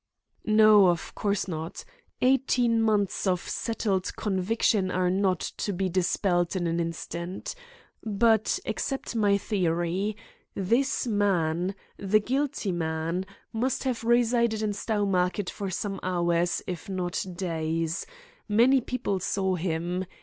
"No, of course not. Eighteen months of settled conviction are not to be dispelled in an instant. But accept my theory. This man, the guilty man, must have resided in Stowmarket for some hours, if not days. Many people saw him.